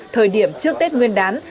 thời điểm trước tết nguyên đán